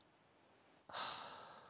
はあ。